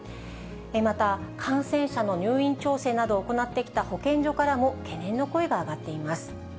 また、感染者の入院調整などを行ってきた保健所からも、懸念の声が上がっています。